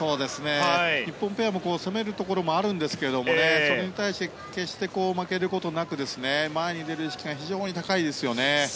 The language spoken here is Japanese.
日本ペアも攻めるところもあるんですがそれに対して決して負けることなく前に出る意識が非常に高いですよね。